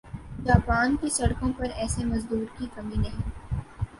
Japan کی سڑکوں پر ایسے مزدوروں کی کمی نہیں